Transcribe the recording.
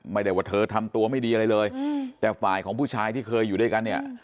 ไม่ได้ว่าเธอทำตัวไม่ดีอะไรเลยแต่ฝ่ายของผู้ชายที่เคยอยู่ด้วยกันเนี่ย